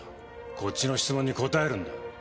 こっちの質問に答えるんだ。